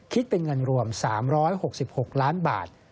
คิดเป็นเงินรวม๓๖๖ล้านบาท